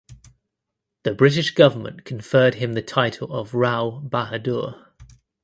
The British government conferred him the title of Rao Bahadur.